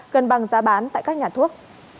gần bằng giá bán tại các nhà thuốc